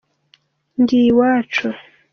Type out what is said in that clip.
Ngiye iwacu